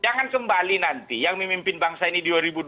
jangan kembali nanti yang memimpin bangsa ini dua ribu dua puluh